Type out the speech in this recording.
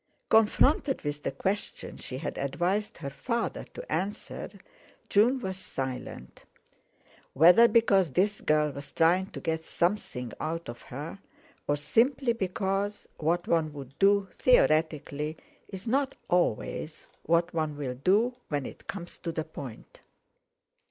Confronted with the question she had advised her father to answer, June was silent; whether because this girl was trying to get something out of her, or simply because what one would do theoretically is not always what one will do when it comes to the point.